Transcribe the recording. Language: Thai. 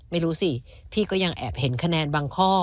ไม่รู้สิพี่ก็ยังแอบเห็นคะแนนบางข้อ